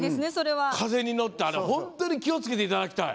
風に乗って、本当に気をつけていただきたい。